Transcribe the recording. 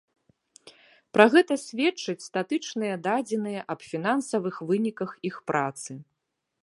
Пра гэта сведчаць статыстычныя дадзеныя аб фінансавых выніках іх працы.